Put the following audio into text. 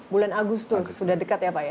bulan agustus sudah dekat ya pak ya